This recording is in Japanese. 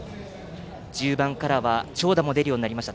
中盤からは長打も出るようになりました。